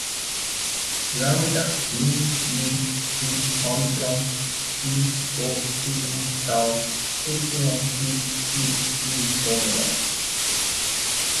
lambda, mi, ni, csi, ómicron, pi, rô, sigma, tau, úpsilon, fi, qui, psi, ômega